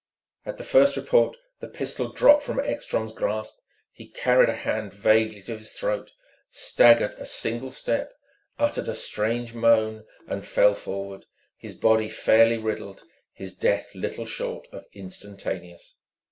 At the first report the pistol dropped from Ekstrom's grasp. He carried a hand vaguely to his throat, staggered a single step, uttered a strangled moan, and fell forward, his body fairly riddled, his death little short of instantaneous.